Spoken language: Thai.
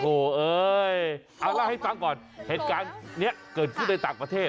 โอ้โหเอ้ยเอาเล่าให้ฟังก่อนเหตุการณ์นี้เกิดขึ้นในต่างประเทศ